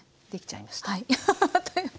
できちゃいました。